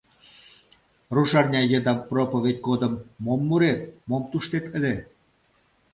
Рушарня еда проповедь годым мом мурет, мом туштет ыле?!